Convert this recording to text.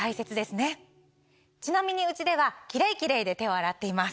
ちなみにうちではキレイキレイで手を洗っています。